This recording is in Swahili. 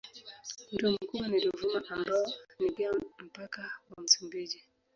Mto mkubwa ni Ruvuma ambao ni pia mpaka wa Msumbiji.